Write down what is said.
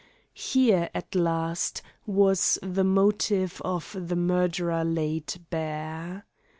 Here, at last, was the motive of the murder laid bare.